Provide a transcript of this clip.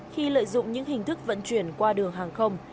khi lợi dụng những hình thức vận chuyển qua đường hàng không